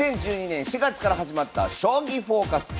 ２０１２年４月から始まった「将棋フォーカス」。